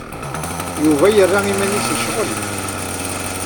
Yuba yerra iman-is yecɣel.